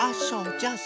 じゃあさ